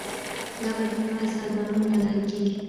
دا بدلون یوازې د سازمانونو له لارې کېږي.